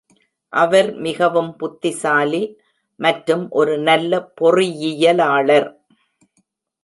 அவர் மிகவும் புத்திசாலி மற்றும் ஒரு நல்ல பொறியியலாளர்.